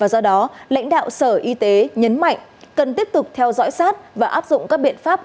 do đó lãnh đạo sở y tế nhấn mạnh cần tiếp tục theo dõi sát và áp dụng các biện pháp